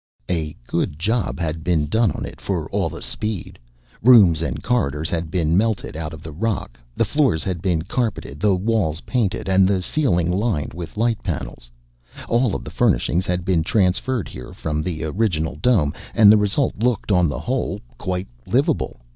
A good job had been done on it, for all the speed. Rooms and corridors has been melted out of the rock, the floors had been carpeted, the walls painted, and the ceiling lined with light panels. All of the furnishings had been transferred here from the original dome, and the result looked, on the whole, quite livable.